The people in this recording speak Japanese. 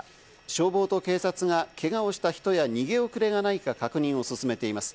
消防と警察がけがをした人や逃げ遅れがないか確認を進めています。